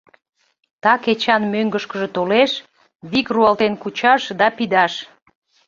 Так Эчан мӧҥгышкыжӧ толеш, вик руалтен кучаш да пидаш.